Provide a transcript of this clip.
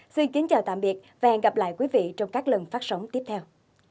xin kính chào tạm biệt và hẹn gặp lại quý vị trong các lần phát sóng tiếp theo